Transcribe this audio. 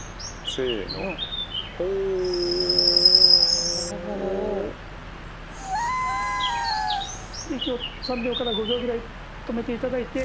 せのホー！で息を３秒から５秒ぐらい止めていただいて。